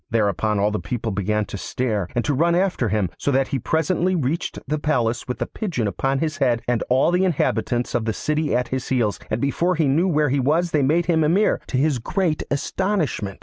Thereupon all the people began to stare, and to run after him, so that he presently reached the palace with the pigeon upon his head and all the inhabitants of the city at his heels, and before he knew where he was they made him Emir, to his great astonishment.